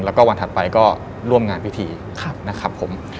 แล้วก็วันถัดไปก็ร่วมงานพิธีนะครับผม